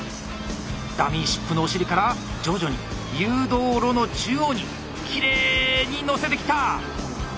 ダミーシップのお尻から徐々に誘導路の中央にきれいに乗せてきた。